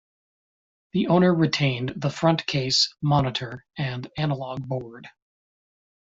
The owner retained the front case, monitor, and analog board.